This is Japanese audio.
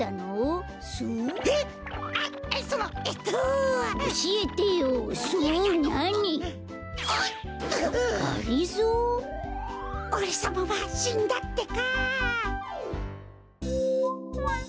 おれさまはしんだってか。